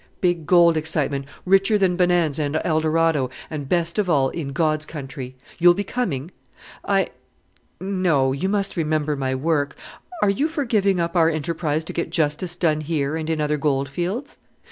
"Big gold excitement richer than Bonanza and Eldorado, and, best of all, in God's country; you'll be coming?" "I no, you must remember my work. Are you for giving up our enterprise to get justice done here and in other goldfields?"